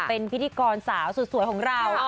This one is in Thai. เป็นพิธีกรสาวสุดสวยของเรา